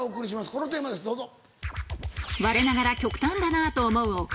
このテーマですどうぞ。